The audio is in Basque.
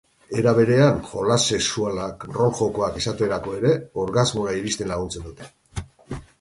Era berean, jolas-sexualak, rol-jokoak esaterako ere orgasmora iristen laguntzen dute.